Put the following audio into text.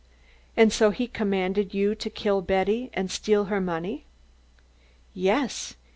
"And so he commanded you to kill Betty and steal her money?" "Yes.